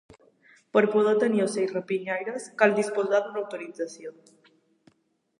Per poder tenir ocells rapinyaires cal disposar d'una autorització.